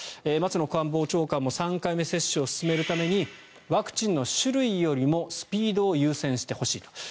松野官房長官も３回目接種を進めるためにワクチンの種類よりもスピードを優先してほしいと。